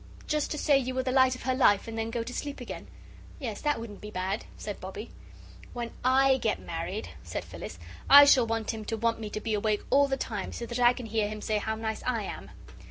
"Just to say you were the light of her life and then go to sleep again. Yes. That wouldn't be bad," said Bobbie. "When I get married," said Phyllis, "I shall want him to want me to be awake all the time, so that I can hear him say how nice I am."